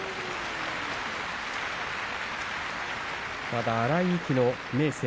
まだ荒い息の明生。